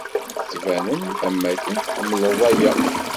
Tettbanem am akken tḥemmleḍ-aya.